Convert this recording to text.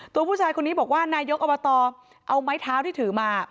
ตัวผู้ชายคนนี้บอกว่านายกอบตเอาไม้เท้าที่ถือมา